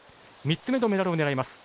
３つ目のメダルを狙います。